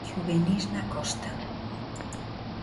Xuvenís na Costa.